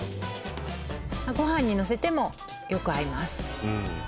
ご飯にのせてもよく合います